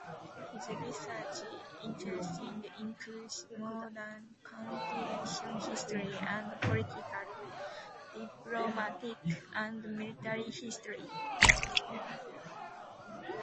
His research interests include modern Canadian history and political, diplomatic and military history.